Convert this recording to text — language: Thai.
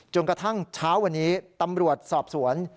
กระทั่งเช้าวันนี้ตำรวจสอบสวน